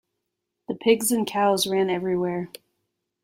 The pigs and cows ran everywhere.